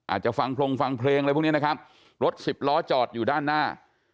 อาจจะฟังพรงฟังเพลงอะไรพวกนี้นะครับรถสิบล้อจอดอยู่ด้านหน้า